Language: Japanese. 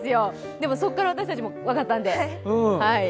でもそこから私たちも分かったんで。